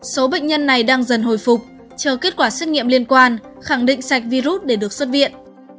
số bệnh nhân này đang dần hồi phục chờ kết quả xét nghiệm liên quan khẳng định sạch virus để được xuất viện